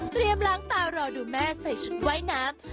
ล้างตารอดูแม่ใส่ชุดว่ายน้ำ